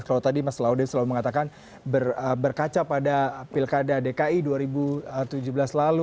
kalau tadi mas laude selalu mengatakan berkaca pada pilkada dki dua ribu tujuh belas lalu